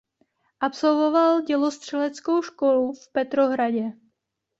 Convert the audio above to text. Absolvoval dělostřeleckou školu v Petrohradě.